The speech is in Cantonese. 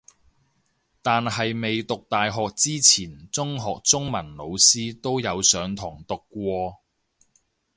但係未讀大學之前中學中文老師都有上堂讀過